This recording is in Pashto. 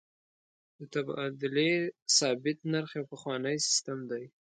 د تبادلې ثابت نرخ یو پخوانی سیستم دی.